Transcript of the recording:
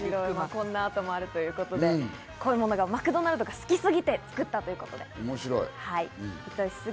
こんなアートもあるということでこういうものが、マクドナルドが好き過ぎて作ったということです。